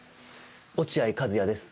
落合和哉です